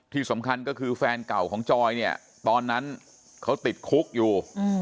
ที่สำคัญก็คือแฟนเก่าของจอยเนี่ยตอนนั้นเขาติดคุกอยู่